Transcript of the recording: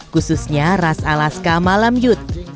khususnya ras alaska malamute